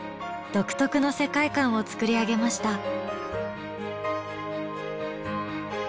独特の世界観を作り上げました。